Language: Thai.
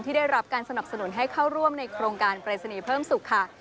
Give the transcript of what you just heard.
ได้รับการสนับสนุนให้เข้าร่วมในโครงการปรายศนีย์เพิ่มสุขค่ะ